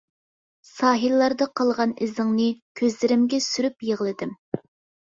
ساھىللاردا قالغان ئىزىڭنى، كۆزلىرىمگە سۈرۈپ يىغلىدىم.